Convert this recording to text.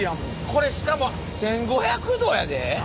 これしかも１，５００℃やで。